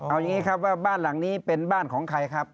เอาอย่างนี้ครับว่าบ้านหลังนี้เป็นบ้านของใครครับ